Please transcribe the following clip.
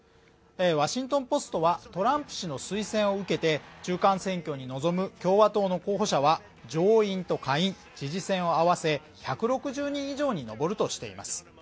「ワシントン・ポスト」はトランプ氏の推薦を受けて中間選挙に臨む共和党の候補者は上院と下院、知事選を合わせ１６０人以上に上るとしています。